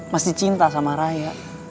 masih cinta sama raya